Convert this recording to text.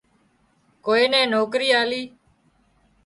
ڪوئي نين نوڪرِي آلي